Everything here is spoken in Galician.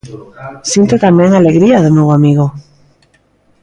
Sinto tamén a alegría do meu amigo.